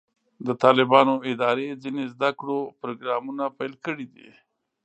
د طالبانو ادارې ځینې زده کړو پروګرامونه پیل کړي دي.